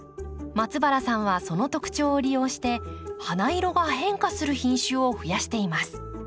松原さんはその特徴を利用して花色が変化する品種を増やしています。